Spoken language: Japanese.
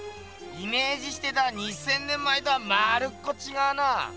イメージしてた２，０００年前とはまるっこちがうな！